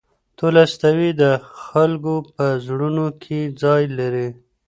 تولستوی د خلکو په زړونو کې ځای لري.